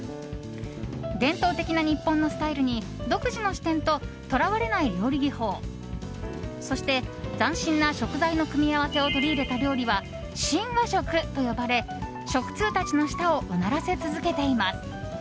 伝統的な日本のスタイルに独自の視点ととらわれない料理技法そして斬新な食材の組み合わせを取り入れた料理は新和食と呼ばれ食通たちの舌をうならせ続けています。